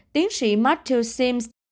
tiến sĩ matthew sims